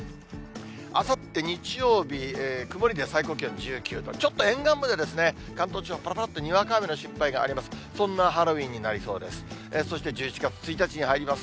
あさって日曜日、曇りで、最高気温１９度、ちょっと沿岸部で関東地方、ぱらぱらっとにわか雨の心配があります。